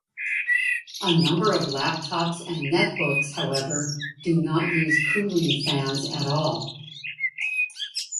A number of laptops and netbooks however do not use cooling fans at all.